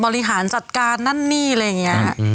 บริหารจัดการนั่นนี่อะไรอย่างนี้ค่ะ